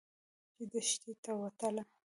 چې دښتې ته وتله.